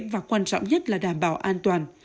và quan trọng nhất là đảm bảo an toàn